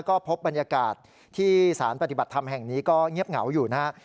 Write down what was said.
ก็พบบรรยากาศที่สารปฏิบัติธรรมแห่งนี้ก็เงียบเหงาอยู่นะฮะ